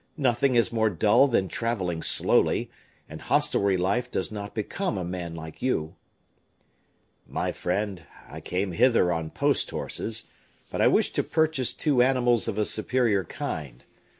Nothing is more dull than traveling slowly; and hostelry life does not become a man like you." "My friend, I came hither on post horses; but I wish to purchase two animals of a superior kind.